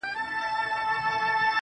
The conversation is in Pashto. زه چي تا وينم لېونی سمه له حاله وځم~